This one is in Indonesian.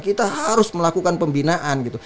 kita harus melakukan pembinaan gitu